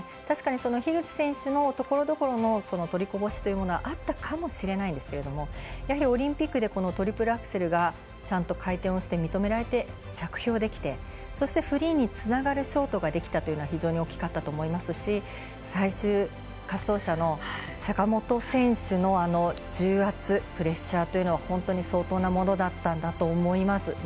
確かに樋口選手のところどころの取りこぼしというものはあったかもしれないんですけどもやはりオリンピックでトリプルアクセルがちゃんと回転をして認められて、着氷できてそして、フリーにつながるショートができたというのは非常に大きかったと思いますし最終滑走者の坂本選手の重圧プレッシャーというのは本当に相当なものだったんだと思います。